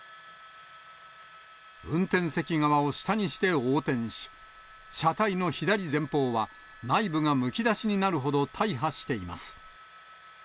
運転席側を下にして横転し、車体の左前方は、内部がむき出しになるほど大破しています。